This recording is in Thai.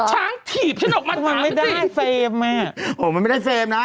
ช้างถีบฉันออกมาตามไปสิโอ้โฮมันไม่ได้เฟรมนะ